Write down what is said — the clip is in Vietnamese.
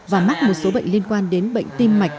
và mắc một số bệnh liên quan đến bệnh tim mạch